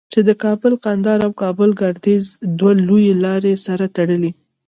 چې د کابل قندهار او کابل گردیز دوه لویې لارې سره تړي.